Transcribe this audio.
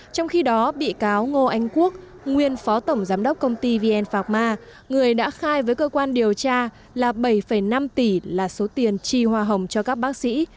trong khi đó bị cáo ngô anh quốc nguyên phó tổng giám đốc công ty vn phạc ma người đã khai với cơ quan điều tra là bảy năm tỷ là số tiền chi hoa hồng cho các bác sĩ